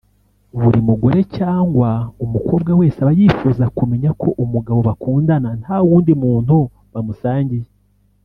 Buri mugore cyangwa umukobwa wese aba yifuza kumenya ko umugabo bakundana nta wundi muntu bamusangiye